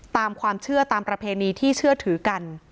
ตามความเชื่อตามประเพณีที่เชื่อถือกัน